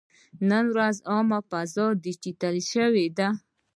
نن ورځ عامه فضا ډیجیټلي شوې ده.